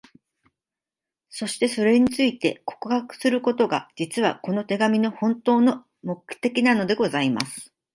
そして、それについて、告白することが、実は、この手紙の本当の目的なのでございます。